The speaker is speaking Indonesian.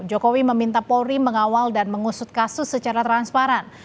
jokowi meminta polri mengawal dan mengusut kasus secara transparan